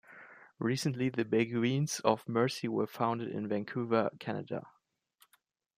Recently, the Beguines of Mercy were founded in Vancouver, Canada.